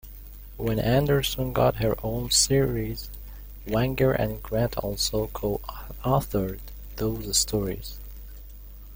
When Anderson got her own series, Wagner and Grant also co-authored those stories.